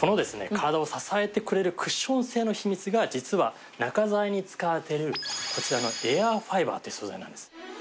体を支えてくれるクッション性の秘密が実は中材に使われているこちらのエアファイバーっていう素材なんです。